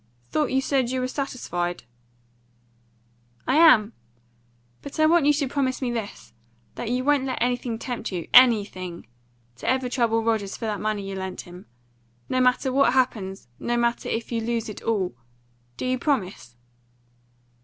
"Thought you said you were satisfied?" "I am. But I want you should promise me this: that you won't let anything tempt you anything! to ever trouble Rogers for that money you lent him. No matter what happens no matter if you lose it all. Do you promise?"